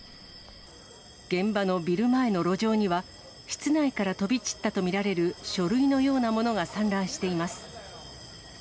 現場のビル前の路上には、室内から飛び散ったと見られる書類のようなものが散乱しています。